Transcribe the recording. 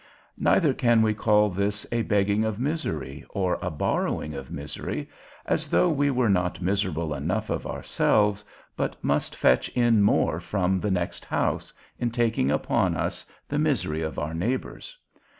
Neither can we call this a begging of misery, or a borrowing of misery, as though we were not miserable enough of ourselves, but must fetch in more from the next house, in taking upon us the misery of our neighbours.